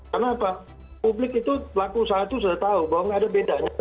karena apa publik itu pelaku usaha itu sudah tahu bahwa nggak ada bedanya